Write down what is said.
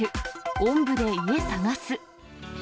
おんぶで家探す。